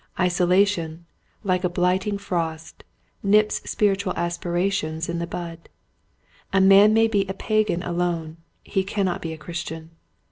Isolation, like a blight ing frost, nips spiritual aspirations in the bud. A man may be a pagan alone, he cannot be a Christian.